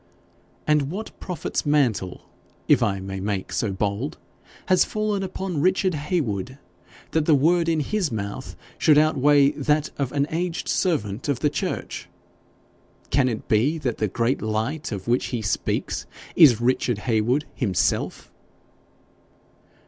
'And what prophet's mantle, if I may make so bold, has fallen upon Richard Heywood, that the word in his mouth should outweigh that of an aged servant of the church? Can it be that the great light of which he speaks is Richard Heywood himself?'